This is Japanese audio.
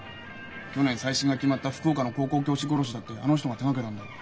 去年再審が決まった福岡の高校教師殺しだってあの人が手がけたんだよ。